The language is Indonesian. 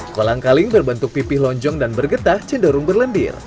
kolang kaling berbentuk pipih lonjong dan bergetah cenderung berlendir